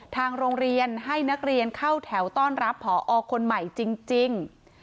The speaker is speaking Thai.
ทางโรงเรียนให้นักเรียนเข้าแถวต้อนรับผอคนใหม่จริง